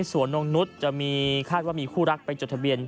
นงนุษย์จะมีคาดว่ามีคู่รักไปจดทะเบียน